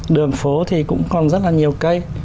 đường phố thì cũng còn rất là nhiều cây